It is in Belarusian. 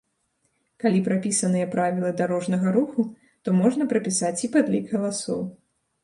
Калі прапісаныя правілы дарожнага руху, то можна прапісаць і падлік галасоў.